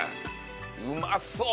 うまそう！